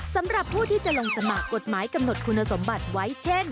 สำหรับผู้ที่จะลงสมัครกฎหมายกำหนดคุณสมบัติไว้เช่น